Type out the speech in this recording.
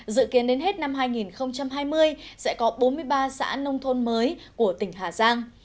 dự kiến đến hết năm hai nghìn hai mươi sẽ có bốn mươi ba xã nông thôn mới của tỉnh hà giang